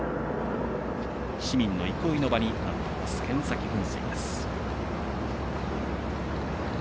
市民の憩いの場になっている剣先噴水です。